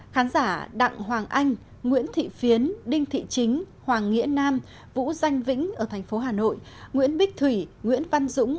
khán giả đặng hoàng anh nguyễn thị phiến đinh thị chính hoàng nghĩa nam vũ danh vĩnh ở thành phố hà nội nguyễn bích thủy nguyễn văn dũng